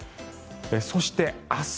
そして明日